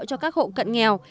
cho các hộ cận nghèo